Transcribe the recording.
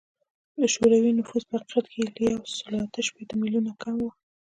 د شوروي نفوس په حقیقت کې له یو سل اته شپیته میلیونه کم و